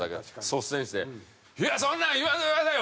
率先して「いやそんなん言わんといてくださいよ！」